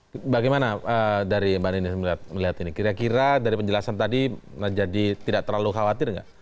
oke bagaimana dari mbak nini melihat ini kira kira dari penjelasan tadi jadi tidak terlalu khawatir nggak